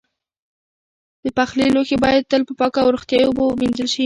د پخلي لوښي باید تل په پاکو او روغتیایي اوبو ومینځل شي.